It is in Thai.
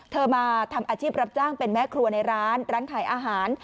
มาทำอาชีพรับจ้างเป็นแม่ครัวในร้านร้านขายอาหาร